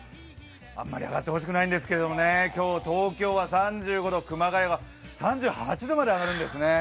あんまり上がってほしくないんですけどね、東京は３５度、熊谷は３８度まで上がるんですね。